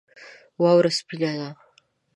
واوره سپینه ده